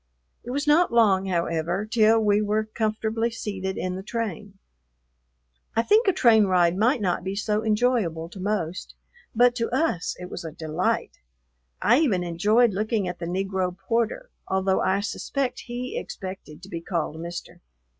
It was not long, however, till we were comfortably seated in the train. I think a train ride might not be so enjoyable to most, but to us it was a delight; I even enjoyed looking at the Negro porter, although I suspect he expected to be called Mister.